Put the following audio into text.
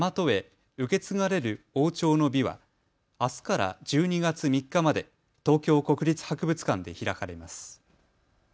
受け継がれる王朝の美ーはあすから１２月３日まで東京国立博物館で開かれます。